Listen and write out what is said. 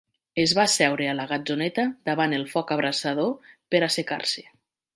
Es va asseure a la gatzoneta davant el foc abrasador per assecar-se.